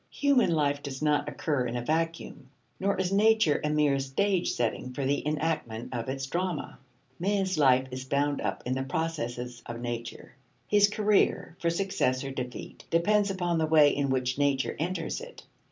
Human life does not occur in a vacuum, nor is nature a mere stage setting for the enactment of its drama (ante, p. 211). Man's life is bound up in the processes of nature; his career, for success or defeat, depends upon the way in which nature enters it.